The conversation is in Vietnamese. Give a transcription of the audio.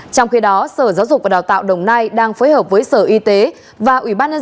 trong khi đó sở giáo dục và đào tạo đồng nai đang phối hợp với sở y tế và ủy ban nhân dân